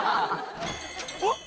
あっ！